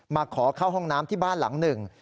มาขอเข้าห้องน้ำที่บ้านหลังหนึ่ง